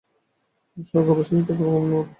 স্বর্গবাসী পিতাকে ভগবান বলা হয়।